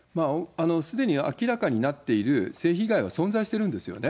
すでに明らかになっている性被害は存在してるんですよね。